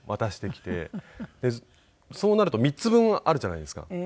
そうなると３つ分あるじゃないですか。